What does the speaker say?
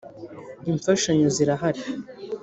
Imfashanyo zirahari.